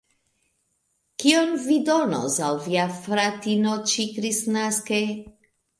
Kion vi donos al via fratino ĉi-kristnaske?